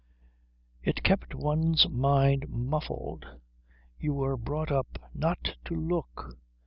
It kept one's mind muffled. You were brought up not to look.